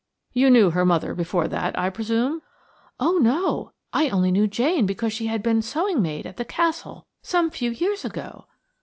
"You knew her mother before that, I presume?" "Oh, no. I only knew Jane because she had been sewing maid at the Castle some few years ago."